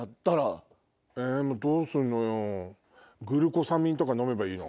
どうすんのよ？